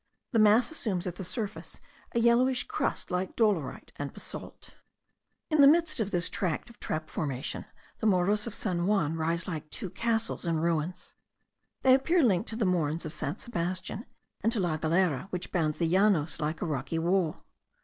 The mass assumes at the surface a yellowish crust like dolerite and basalt. In the midst of this tract of trap formation, the Morros of San Juan rise like two castles in ruins. They appear linked to the mornes of St. Sebastian, and to La Galera which bounds the Llanos like a rocky wall.